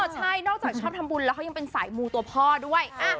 ใช่นอกจากชอบทำบุญแล้วเขายังเป็นสายมูตัวพ่อด้วย